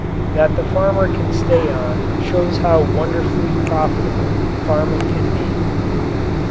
That the farmer can stay on shows how wonderfully profitable farming can be.